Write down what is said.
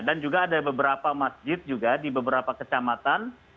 dan juga ada beberapa masjid juga di beberapa kecamatan